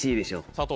佐藤